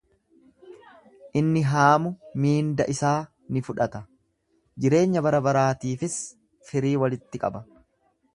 Inni haamu miinda isaa ni fudhata, jireenya barabaraatiifis firii walitti qaba.